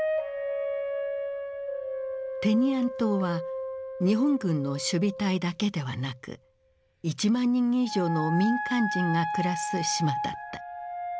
テニアン島は日本軍の守備隊だけではなく１万人以上の民間人が暮らす島だった。